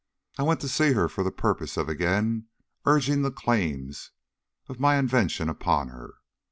I went to see her for the purpose of again urging the claims of my invention upon her.